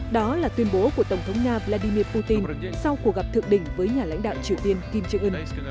đó là tuyên bố của tổng thống nga vladimir putin sau cuộc gặp thượng đỉnh với nhà lãnh đạo triều tiên kim jong un